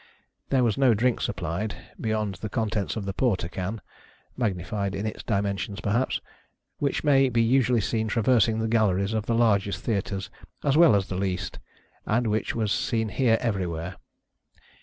There was no drink supplied, beyond the contents of the porter can (magnified in its dimensions, perhaps), which may be usually seen traversing the galleries of the largest Theatres as well as the least, and which was seen here everywhere.